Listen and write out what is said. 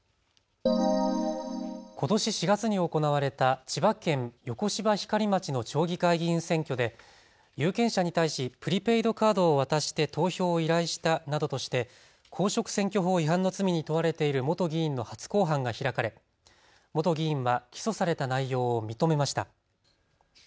ことし４月に行われた千葉県横芝光町の町議会議員選挙で有権者に対しプリペイドカードを渡して投票を依頼したなどとして公職選挙法違反の罪に問われている元議員の初公判が開かれ元議員は起訴された内容を認めました。